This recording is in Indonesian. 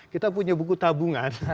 kita punya buku tabungan